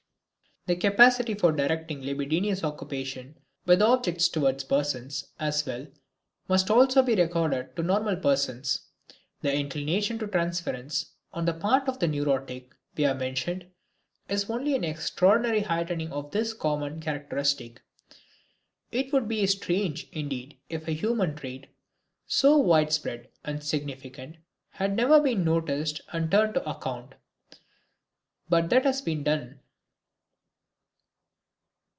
The capacity for directing libidinous occupation with objects towards persons as well must also be accorded to all normal persons. The inclination to transference on the part of the neurotic we have mentioned, is only an extraordinary heightening of this common characteristic. It would be strange indeed if a human trait so wide spread and significant had never been noticed and turned to account. But that has been done.